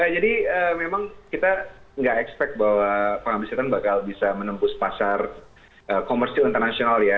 jadi memang kita nggak expect bahwa pengabdi setan bakal bisa menempus pasar komersil internasional ya